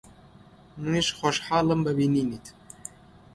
منیش خۆشحاڵم بە بینینت.